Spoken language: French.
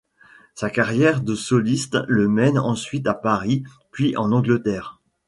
Sa carrière de soliste le mène ensuite à Paris puis en Angleterre.